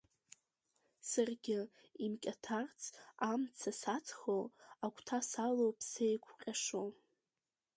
Саргьы имкьаҭарц амца саҵхо, агәҭа салоуп сеиқәҟьашо!